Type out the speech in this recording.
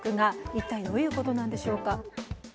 一体どういうことなんでしょうか。